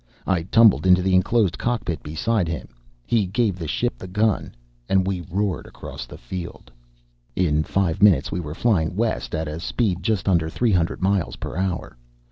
I tumbled into the enclosed cockpit beside him, he gave the ship the gun, and we roared across the field. In five minutes we were flying west, at a speed just under three hundred miles per hour.